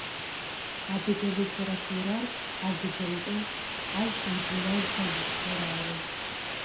Адыгэ литературэр адыгэмкӏэ ащ идунай къэзышӏрэр ары.